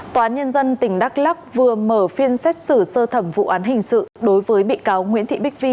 tòa án nhân dân tỉnh đắk lắc vừa mở phiên xét xử sơ thẩm vụ án hình sự đối với bị cáo nguyễn thị bích vi